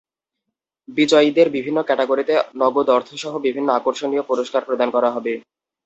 বিজয়ীদের বিভিন্ন ক্যাটাগরিতে নগদ অর্থসহ বিভিন্ন আকর্ষণীয় পুরস্কার প্রদান করা হবে।